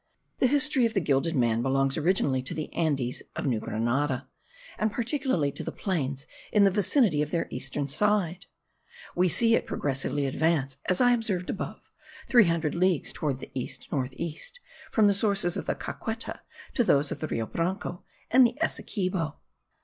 The history of the gilded man belongs originally to the Andes of New Grenada, and particularly to the plains in the vicinity of their eastern side: we see it progressively advance, as I observed above, three hundred leagues toward the east north east, from the sources of the Caqueta to those of the Rio Branco and the Essequibo.